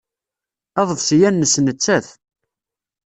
Aḍebsi-a nnes nettat.